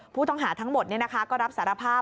ผู้ต้องหาทั้งหมดก็รับสารภาพ